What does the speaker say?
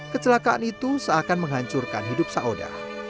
kecelakaan itu seakan menghancurkan hidup sauda